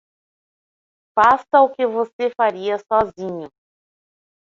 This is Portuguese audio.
Faça o que você faria sozinho.